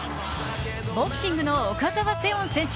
ボクシングの岡澤セオン選手。